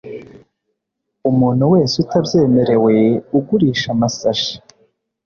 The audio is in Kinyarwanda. Umuntu wese utabyemerewe ugurisha amasashe